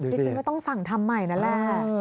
ดูซิดูซิว่าต้องสั่งทำใหม่นั่นแหละ